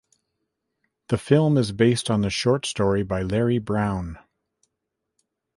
The film is based on the short story by Larry Brown.